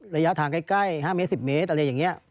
ระยะทางใกล้๕เมตร๑๐เมตรอะไรอย่างนี้